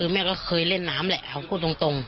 แม่ก็เคยเล่นน้ำแหละเอาพูดตรง